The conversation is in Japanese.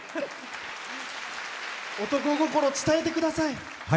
男心、伝えてください。